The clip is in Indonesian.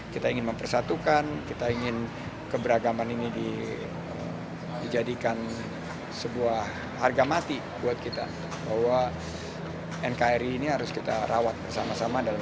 kita ingin mempersatukan kita ingin keberagaman ini dijadikan sebuah harga mati buat kita